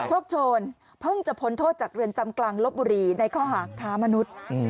โชคโชนเพิ่งจะพ้นโทษจากเรือนจำกลางลบบุรีในข้อหาค้ามนุษย์